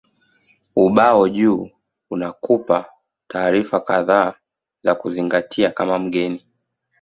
Ubao juu unakupa taarifa kadhaa za kuzingatia kama mgeni